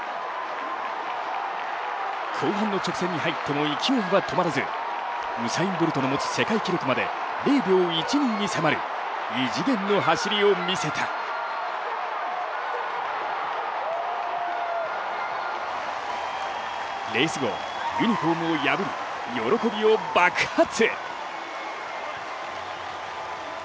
後半の直線に入っても勢いは止まらず、ウサイン・ボルトの持つ世界記録まで０秒１２に迫る異次元の走りを見せたレース後、ユニフォームを破り、喜びを爆発。